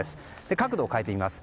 角度を変えてみます。